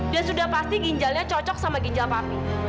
dan sudah pasti ginjalnya cocok sama ginjal papi